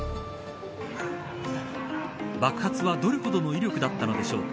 爆発はどれほどの威力だったのでしょうか。